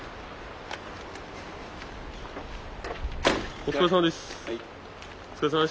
お疲れさまでした。